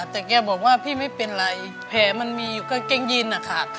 แต่แกบอกว่าพี่ไม่เป็นไรแผลมันมีอยู่กางเกงยีนนะคะ